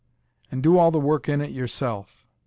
And do all the work in it yourself.